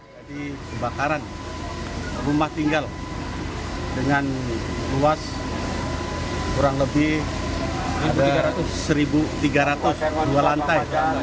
jadi kebakaran rumah tinggal dengan luas kurang lebih satu tiga ratus dua lantai